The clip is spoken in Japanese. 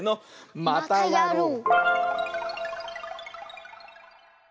またやろう！